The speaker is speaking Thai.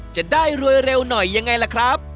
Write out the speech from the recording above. จะได้รวยเร็วหน่อยยังไงล่ะครับ